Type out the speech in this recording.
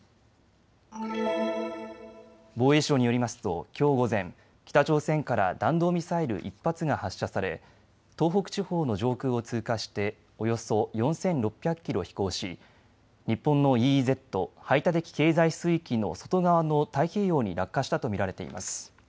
防衛省によりますときょう午前、北朝鮮から弾道ミサイル１発が発射され東北地方の上空を通過しておよそ４６００キロ飛行し日本のＥＥＺ・排他的経済水域の外側の太平洋に落下したと見られています。